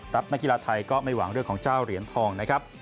ทัพนักกีฬาไทยก็ไม่หวังเรื่องของเจ้าเหรียญทอง